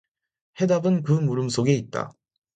해답은 그 물음 속에 있다.